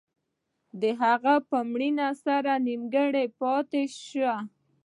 د هغه په مړینې سره نیمګړی پاتې شو.